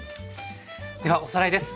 ではおさらいです。